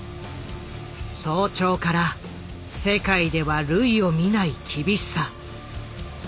早朝から世界では類を見ない厳しさ。